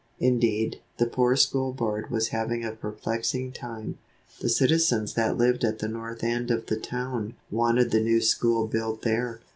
Indeed, the poor School Board was having a perplexing time. The citizens that lived at the north end of the town wanted the new school built there.